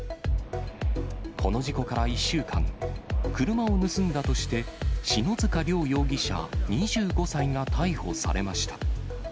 この事故から１週間、車を盗んだとして、篠塚涼容疑者２５歳が逮捕されました。